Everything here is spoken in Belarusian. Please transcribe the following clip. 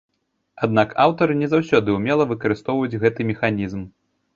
Аднак аўтары не заўсёды ўмела выкарыстоўваюць гэты механізм.